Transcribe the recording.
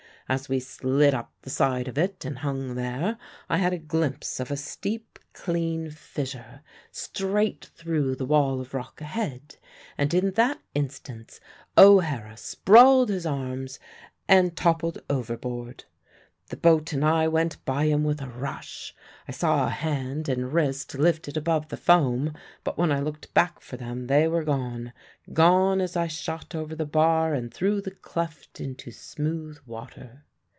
As we slid up the side of it and hung there, I had a glimpse of a steep clean fissure straight through the wall of rock ahead; and in that instant O'Hara sprawled his arms and toppled overboard. The boat and I went by him with a rush. I saw a hand and wrist lifted above the foam, but when I looked back for them they were gone gone as I shot over the bar and through the cleft into smooth water.